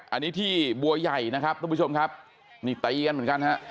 อันนี้ที่บัวใหญ่นะครับทุกผู้ชมครับนี่ตีกันเหมือนกันฮะ